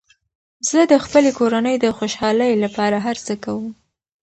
زه د خپلې کورنۍ د خوشحالۍ لپاره هر څه کوم.